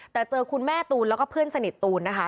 แต่เจอคุณแม่ตูนแล้วก็เพื่อนสนิทตูนนะคะ